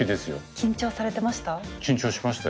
緊張されてました？